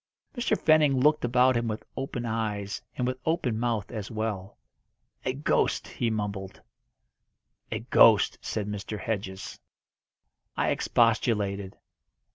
Mr. Fenning looked about him with open eyes, and with open mouth as well. "A ghost!" he mumbled. "A ghost!" said Mr. Hedges. I expostulated.